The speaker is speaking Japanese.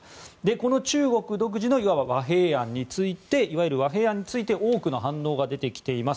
この中国独自のいわゆる和平案について多くの反応が出てきています。